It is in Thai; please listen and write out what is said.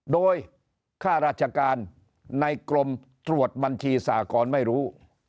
โดยค่าราชการในกรมตรวจบัญชีสากรไม่รู้